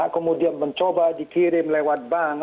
kemudian mencoba dikirim lewat bank